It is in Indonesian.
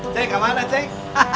cek kemana cek